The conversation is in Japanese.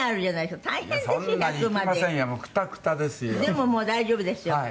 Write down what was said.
でももう大丈夫ですよ。